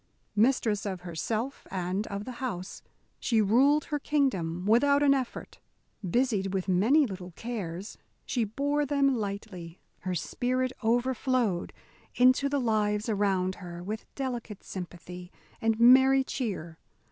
Mistress of herself and of the house, she ruled her kingdom without an effort. Busied with many little cares, she bore them lightly. Her spirit overflowed into the lives around her with delicate sympathy and merry cheer.